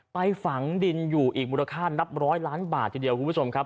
ฝังดินอยู่อีกมูลค่านับร้อยล้านบาททีเดียวคุณผู้ชมครับ